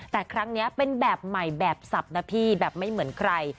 แต่ครั้งนี้เป็นแบบใหม่แบบสับนะพี่แบบไม่เหมือนใคร